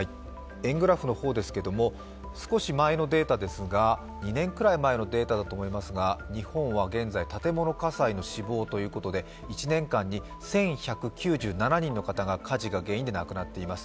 円グラフの方ですけれども、２年くらい前のデータだと思いますが、日本は現在建物火災の死亡ということで、１年間に１１９７人の方が火事が原因で亡くなっています。